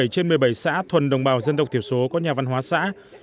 một mươi bảy trên một mươi bảy xã thuần đồng bào dân tập thiểu số có nhà văn hóa xã